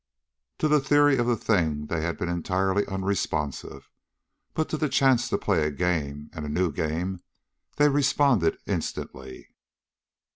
To the theory of the thing they had been entirely unresponsive, but to the chance to play a game, and a new game, they responded instantly.